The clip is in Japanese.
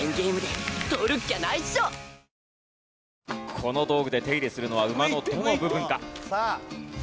この道具で手入れするのは馬のどの部分か？